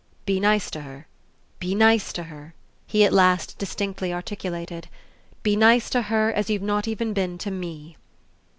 "Be nice to her, be nice to her," he at last distinctly articulated; "be nice to her as you've not even been to ME!"